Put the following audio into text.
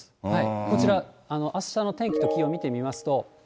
こちら、あしたの天気と気温を見てみますと。